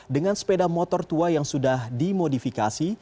dengan sepeda motor tua yang sudah dimodifikasi